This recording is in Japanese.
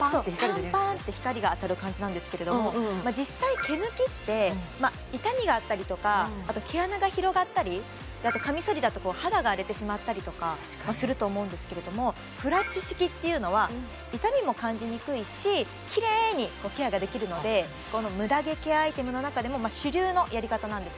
そうパンパンって光が当たる感じなんですけれども実際毛抜きって痛みがあったりとかあと毛穴が広がったりあとカミソリだと肌が荒れてしまったりとかすると思うんですけれどもフラッシュ式っていうのは痛みも感じにくいしキレイにケアができるのでムダ毛ケアアイテムの中でも主流のやり方なんですね